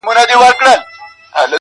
« په هجران کي غم د یار راسره مل دی-